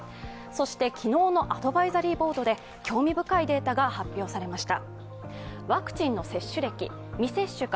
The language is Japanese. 昨日のアドバイザリーボードで興味深い結果が発表されました。